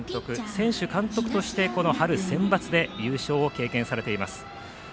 選手、監督として春センバツで優勝を経験されています。